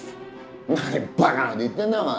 何バカなこと言ってんだよ。